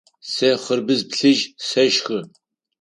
Сэ хъырбыдз плъыжь сэшхы.